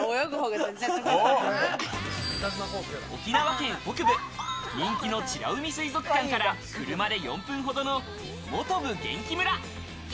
沖縄県北部、人気の美ら海水族館から車で４分程のもとぶ元気村。